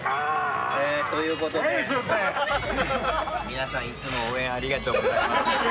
皆さんいつも応援ありがとうございます。